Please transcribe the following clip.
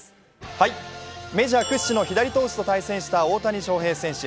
メジャー屈指の左投手と対戦した大谷翔平選手。